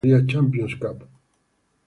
Esta competición se denominaría Champions Cup.